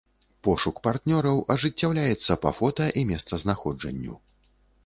Пошук партнёраў ажыццяўляецца па фота і месцазнаходжанню.